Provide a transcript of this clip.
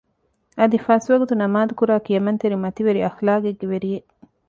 އަދި ފަސްވަގުތު ނަމާދުކުރާ ކިޔަމަންތެރި މަތިވެރި އަޚްލާގެއްގެ ވެރިއެއް